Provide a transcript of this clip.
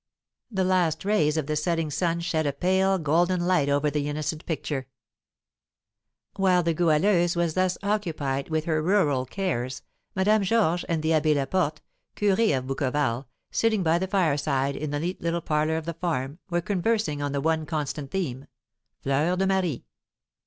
The last rays of the setting sun shed a pale golden light over this innocent picture. While the Goualeuse was thus occupied with her rural cares, Madame Georges and the Abbé Laporte, curé of Bouqueval, sitting by the fireside in the neat little parlour of the farm, were conversing on the one constant theme, Fleur de Marie.